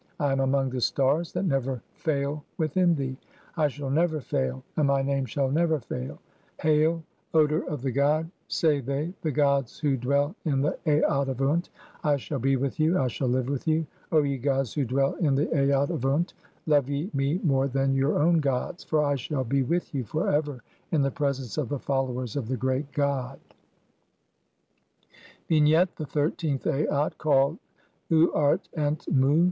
"(5) I am among the stars that never fail within thee ; I shall "never fail, and my name shall never fail. (6) 'Hail, odour of "the god,' say they, the gods who dwell in the Aat of Unt ; [I "shall be with you, I shall live with you, O ye gods who dwell "in the Aat of Unt ;] love ye me more than your own gods, "(7) for I shall be with you for ever [in the presence of the "followers of the great god]." XIII. Vignette : The thirteenth Aat Os 3 called "Uart ent mu'".